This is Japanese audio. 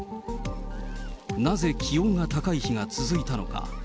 なぜ、気温が高い日が続いたのか。